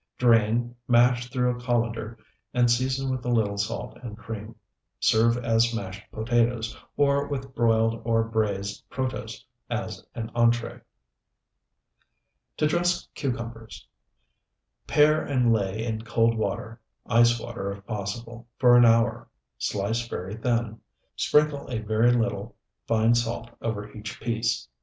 Drain, mash through a colander, and season with a little salt and cream. Serve as mashed potatoes, or with broiled or braized protose as an entree. TO DRESS CUCUMBERS Pare and lay in cold water ice water if possible for an hour. Slice very thin. Sprinkle a very little fine salt over each piece.